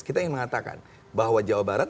kita ingin mengatakan bahwa jawa barat